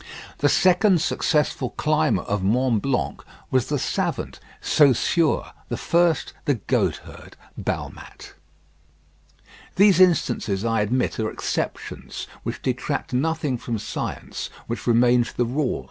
The second successful climber of Mont Blanc was the savant, Saussure; the first the goatherd, Balmat. These instances I admit are exceptions, which detract nothing from science, which remains the rule.